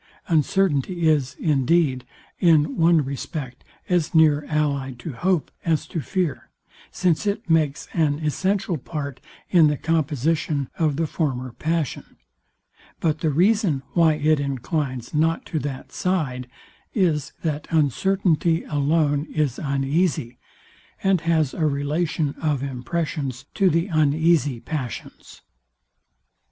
Uncertainty is, indeed, in one respect as near allyed to hope as to fear, since it makes an essential part in the composition of the former passion; but the reason, why it inclines not to that side, is, that uncertainty alone is uneasy, and has a relation of impressions to the uneasy passions.